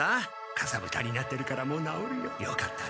「かさぶたになってるからもうなおるよ。よかったね」。